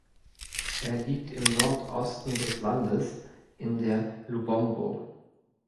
Er liegt im Nordosten des Landes in der Lubombo.